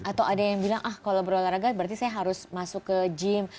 atau ada yang bilang ah kalau berolahraga berarti saya harus masuk ke gym